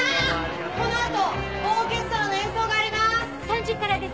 この後オーケストラの演奏があります！